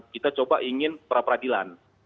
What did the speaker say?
kita coba ingin pra peradilan